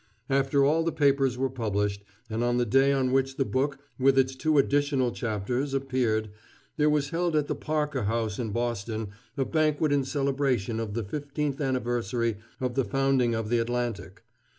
After all the papers were published, and on the day on which the book, with its two additional chapters, appeared, there was held at the Parker House in Boston a banquet in celebration of the fifteenth anniversary of the founding of the Atlantic.